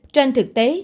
trên thực tế